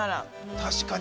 ◆確かに。